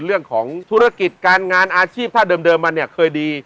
เรื่องของธุรกิจการงานอาชีพถ้าเดิมมันเนี่ยเคยดี